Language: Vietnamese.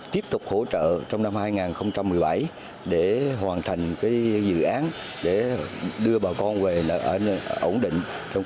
tiếp tục hỗ trợ trong năm hai nghìn một mươi bảy để hoàn thành dự án để đưa bà con về ổn định